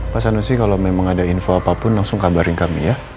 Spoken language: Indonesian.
pak sanusi kalau memang ada info apapun langsung kabarin kami ya